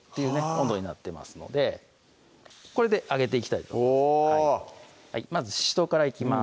温度になってますのでこれで揚げていきたいとおぉまずししとうからいきます